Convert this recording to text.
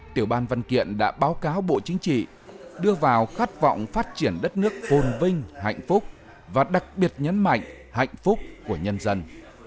tiểu ban văn kiện đã báo cáo bộ chính trị đưa vào khát vọng phát triển đất nước phồn vinh hạnh phúc và đặc biệt nhấn mạnh hạnh phúc của nhân dân